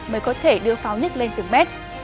mới có thể đưa pháo nhất lên từng mét